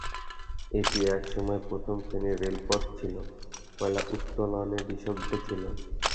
এটি একসময় প্রথম শ্রেণীর রেলপথ ছিল, কয়লা উত্তোলনে বিশেষজ্ঞ ছিল।